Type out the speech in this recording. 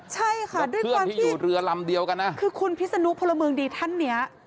ใช่ค่ะด้วยกว่าที่คุณพิษนุพลเมิงดีท่านเนี่ย